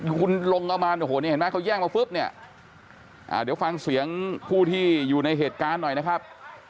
คุณลงเอามาโอ้โหนี่เห็นไหมเขาแย่งมาปุ๊บเนี่ยเดี๋ยวฟังเสียงผู้ที่อยู่ในเหตุการณ์หน่อยนะครับ